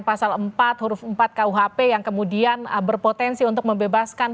pasal empat huruf empat kuhp yang kemudian berpotensi untuk membebaskan